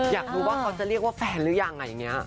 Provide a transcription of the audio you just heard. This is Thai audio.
อยากรู้ว่าเขาจะเรียกว่าแฟนหรือยังอย่างนี้